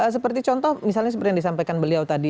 seperti contoh misalnya seperti yang disampaikan beliau tadi